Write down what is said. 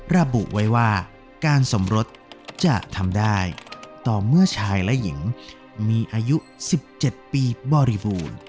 ระบุไว้ว่าการสมรสจะทำได้ต่อเมื่อชายและหญิงมีอายุ๑๗ปีบริบูรณ์